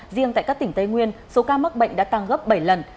riêng tại các tỉnh tây nguyên số ca mắc bệnh đã tăng gấp bảy lần